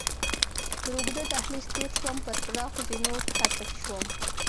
تر اوږده دهلېز تېر شوم، پر پراخو زینو کښته شوم.